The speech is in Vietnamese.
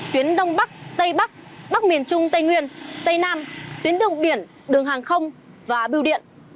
tuyến đông bắc tây bắc bắc miền trung tây nguyên tây nam tuyến đường biển đường hàng không và biêu điện